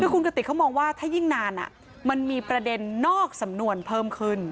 คือคุณกติกเขามองว่าถ้ายิ่งนานมันมีประเด็นนอกสำนวนเพิ่มขึ้น